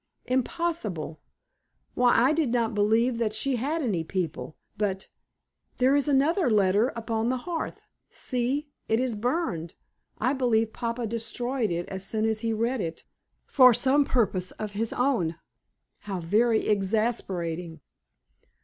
"Impossible! Why, I did not believe that she had any people. But there is another letter upon the hearth. See! it is burned. I believe papa destroyed it as soon as he read it, for some purpose of his own. How very exasperating!"